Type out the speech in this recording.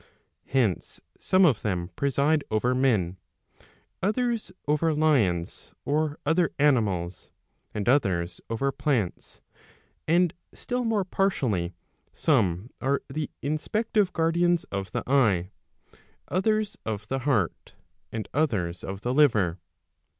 Hence some of them preside over men, others over lions, or other animals, and others over plants; and still more partially, some are the inspective guardians* of the eye, others of the heart, and others of the liver.